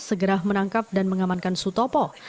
segera menangkap dan mengamankan sutopo